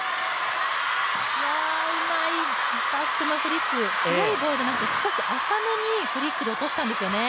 うまいバックのフリック、強いボールなので、少し浅めにフリックで落としたんですよね。